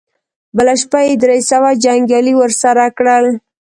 بله شپه يې درې سوه جنګيالي ور سره کړل.